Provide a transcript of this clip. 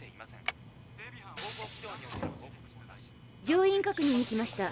乗員確認に来ました。